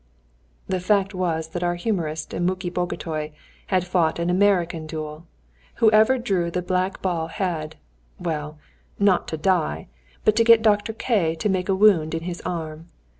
The fact was that our humorist and Muki Bagotay had fought an American duel: whoever drew the black ball had well, not to die, but to get Dr. K y to make a wound in his arm.